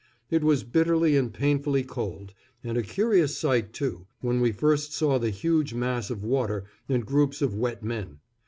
It was bitterly and painfully cold, and a curious sight too, when we first saw the huge mass of water and groups of wet men.